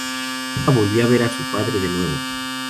Nunca volvió a ver a su padre de nuevo.